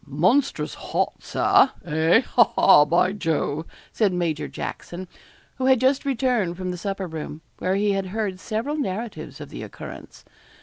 'Monstrous hot, Sir hey? ha, ha, by Jove!' said Major Jackson, who had just returned from the supper room, where he had heard several narratives of the occurrence.